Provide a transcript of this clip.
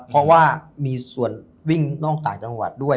เพราะว่ามีส่วนวิ่งนอกต่างจังหวัดด้วย